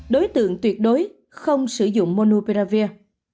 đối tượng tuyệt đối không sử dụng monopiravir